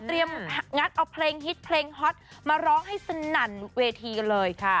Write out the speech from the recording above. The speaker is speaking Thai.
งัดเอาเพลงฮิตเพลงฮอตมาร้องให้สนั่นเวทีกันเลยค่ะ